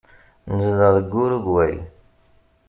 Nezdeɣ deg Urugway.